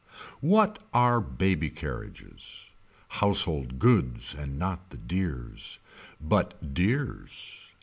What are baby carriages Household goods And not the dears. But dears.